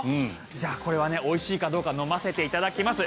じゃあこれはおいしいかどうか飲ませていただきます。